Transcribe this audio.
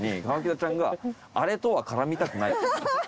河北ちゃんが「あれとは絡みたくない」